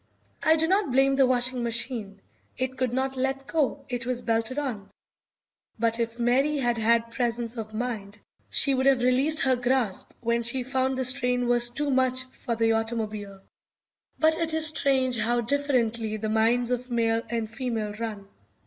I do not blame the washing machine it could not let go, it was belted on but if Mary had had presence of mind she would have released her grasp when she found the strain was too much for the automobile. But it is strange how differently the minds of male and female run.